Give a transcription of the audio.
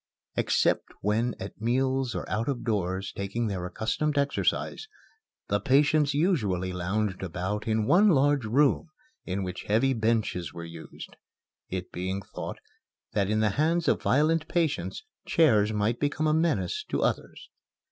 Except when at meals or out of doors taking their accustomed exercise, the patients usually lounged about in one large room, in which heavy benches were used, it being thought that in the hands of violent patients, chairs might become a menace to others.